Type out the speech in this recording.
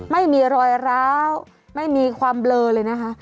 ไม่มีรอยร้าวไม่มีความเบลอเลยนะคะ